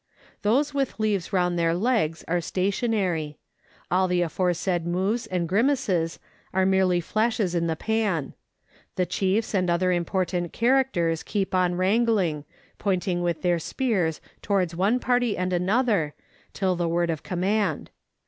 Those with leaves around their legs are stationary. All the aforesaid moves and grimaces are merely flashes in the pan ; the chiefs and other important characters keep on wrangling, pointing with their spears towards one party and another till the word of command.